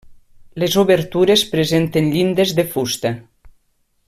Les obertures presenten llindes de fusta.